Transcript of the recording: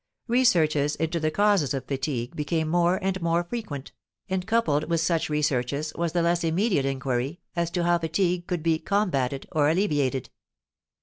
Researches into the causes of fatigue became more and more frequent, and coupled with such researches was the less immediate enquiry as to how fatigue could be "combated" or "alleviated."